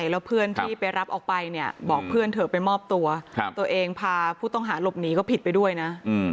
แล้วเพื่อนที่ไปรับออกไปเนี่ยบอกเพื่อนเถอะไปมอบตัวตัวเองพาผู้ต้องหาหลบหนีก็ผิดไปด้วยนะ